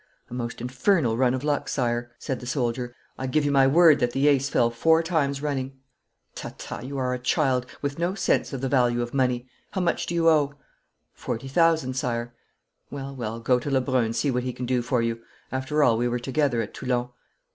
'The most infernal run of luck, sire,' said the soldier, 'I give you my word that the ace fell four times running.' 'Ta, ta, you are a child, with no sense of the value of money. How much do you owe?' 'Forty thousand, sire.' 'Well, well, go to Lebrun and see what he can do for you. After all, we were together at Toulon.'